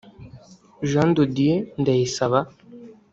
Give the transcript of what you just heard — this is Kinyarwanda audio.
Jean de Dieu Ndayisaba